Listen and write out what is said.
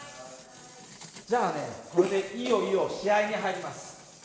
じゃあねこれでいよいよ試合に入ります。